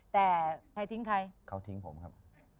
แต่ใครทิ้งใครเขาทิ้งผมครับ